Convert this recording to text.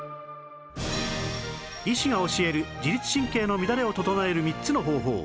医師が教える自律神経の乱れを整える３つの方法